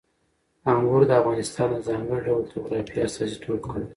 انګور د افغانستان د ځانګړي ډول جغرافیه استازیتوب کوي.